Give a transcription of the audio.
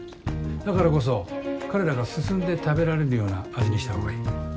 だからこそ彼らが進んで食べられるような味にした方がいい。